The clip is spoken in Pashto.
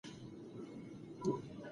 غوږ د پاڼې لخوا په زور کش شو.